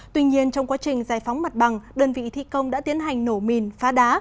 tuy nhiên trong quá trình giải phóng mặt bằng đơn vị thi công đã tiến hành nổ mìn phá đá